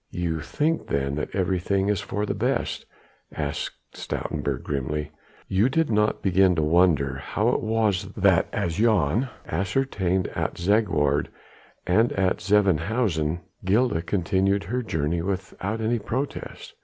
"You think then that everything is for the best?" asked Stoutenburg grimly, "you did not begin to wonder how it was that as Jan ascertained at Zegwaard and at Zevenhuizen Gilda continued her journey without any protest.